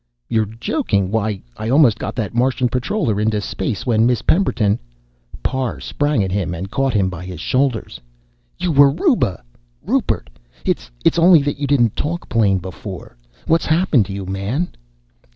"You're joking. Why, I almost got that Martian patroller into space, when Miss Pemberton " Parr sprang at him and caught him by his shoulders. "You were Ruba Rupert! It's only that you didn't talk plain before. What's happened to you, man?"